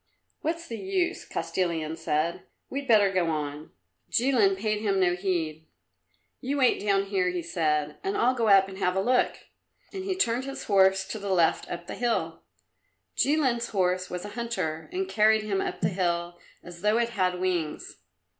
"What's the use?" Kostilin said. "We'd better go on." Jilin paid no heed to him. "You wait down here," he said, "and I'll just go up and have a look." And he turned his horse to the left up the hill. Jilin's horse was a hunter and carried him up the hill as though it had wings.